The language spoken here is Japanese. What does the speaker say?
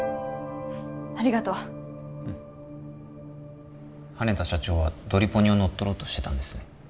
ありがとううん羽田社長はドリポニを乗っ取ろうとしてたんですね